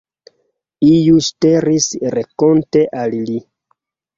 Iu ŝteliris renkonte al li.